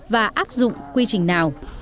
và áp dụng quy trình nào